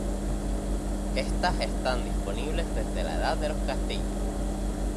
Estas están disponibles desde la Edad de los Castillos.